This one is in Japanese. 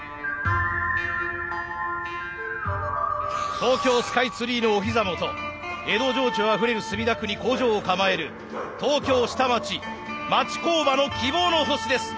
東京スカイツリーのお膝元江戸情緒あふれる墨田区に工場を構える東京下町町工場の希望の星です。